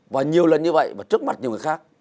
và nhiều lần như vậy mà trước mắt nhiều người khác